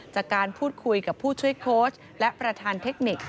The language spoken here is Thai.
จากการพูดคุยกับผู้ช่วยโค้ชและประธานเทคนิค